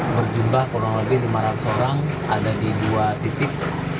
berjumlah kurang lebih lima ratus orang ada di dua titik